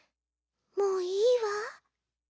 もういいわ。